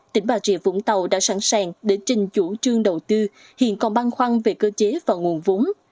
tỉnh bà rịa vũng tàu đã sẵn sàng để trình chủ trương đầu tư hiện còn băn khoăn về cơ chế và nguồn vốn